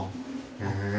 へえ。